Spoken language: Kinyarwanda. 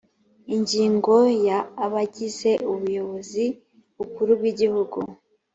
ingingo ya abagize ubuyobozi bukuru bwigihugu